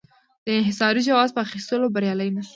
د انحصاري جواز په اخیستو بریالی نه شو.